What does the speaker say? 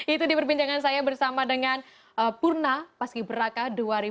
itu di perbincangan saya bersama dengan purna paski beraka dua ribu dua puluh